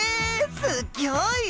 すっギョい！